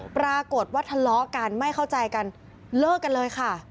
ปรากฏว่าทะเลาะกันไม่เข้าใจกันเลิกกันเลยค่ะ